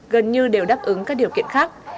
gần như đều đáp ứng các điều kiện khác